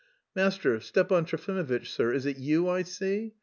"Master, Stepan Trofimovitch, sir, is it you I see?